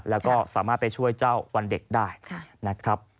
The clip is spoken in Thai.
แล้วก็สามารถไปช่วยเจ้าวันเด็กได้นะครับ